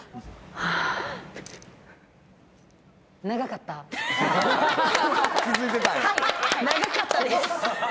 はい、長かったです。